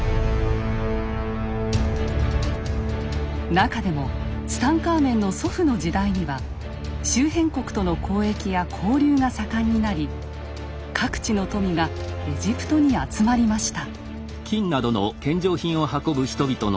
なかでもツタンカーメンの祖父の時代には周辺国との交易や交流が盛んになり各地の富がエジプトに集まりました。